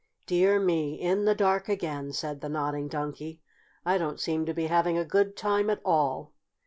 "Dear me, in the dark again!" said the Nodding Donkey. "I don't seem to be having a good time at all."